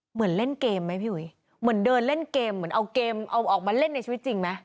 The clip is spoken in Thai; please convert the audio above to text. เหมือนเล่นเกมไหมพี่อุ๋ยเหมือนเดินเล่นเกมเหมือนเอาเกมเอาออกมาเล่นในชีวิตจริงไหม